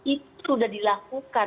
itu sudah dilakukan